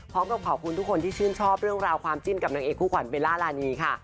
ขอบคุณทุกคนที่ชื่นชอบเรื่องราวความจิ้นกับนางเอกคู่ขวัญเบลล่ารานีค่ะ